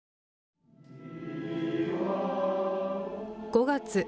５月。